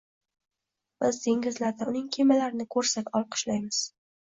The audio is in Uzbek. Biz dengizlarda uning kemalarini ko‘rsak olqishlaymiz